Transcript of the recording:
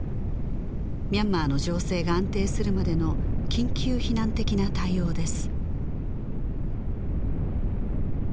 ミャンマーの情勢が安定するまでの緊急避難的な対応です